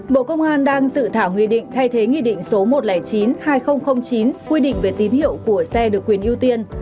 bộ công an đang dự thảo nghị định thay thế nghị định số một trăm linh chín hai nghìn chín quy định về tín hiệu của xe được quyền ưu tiên